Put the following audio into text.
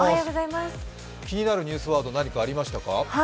気になるニュースワード、何かありましたか？